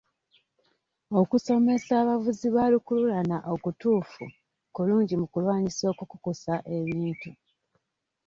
Okusomesa abavuzi ba lukululana okutuufu kulungi mu kulwanyisa okukukusa ebintu.